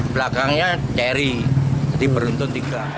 belakangnya teri di beruntun tiga